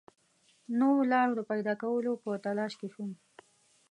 نویو لارو د پیدا کولو په تلاښ کې شوم.